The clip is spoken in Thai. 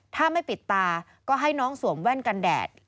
ถ้าไม่ปิดตาก็ให้น้องสวมแว่นกันแดด